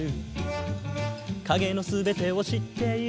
「影の全てを知っている」